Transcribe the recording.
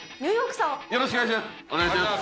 よろしくお願いします。